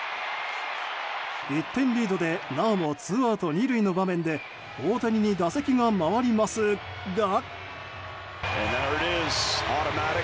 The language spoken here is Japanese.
１点リードでなおもツーアウト２塁の場面で大谷に打席が回りますが。